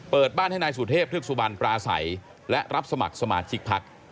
เปิดบ้านให้นายสุเทพธึกสุบันปราศัยและรับสมัครสมาชิกพัก